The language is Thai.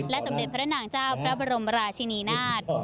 และสำเด็จพระราชนางเจ้าพระบรมราชินีนาฏ